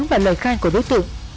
và lời khai của đối tượng